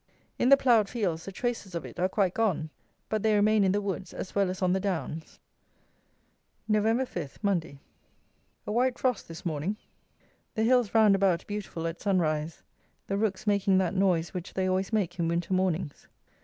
In the ploughed fields the traces of it are quite gone; but they remain in the woods as well as on the downs. Nov. 5. Monday. A white frost this morning. The hills round about beautiful at sun rise, the rooks making that noise which they always make in winter mornings.